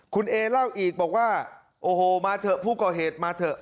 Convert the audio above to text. คุณเอเล่าอีกบอกว่าโอ้โหมาเถอะผู้ก่อเหตุมาเถอะ